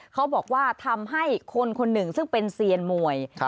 เขาบอกว่าทำให้คนคนหนึ่งซึ่งเป็นเซียนมวย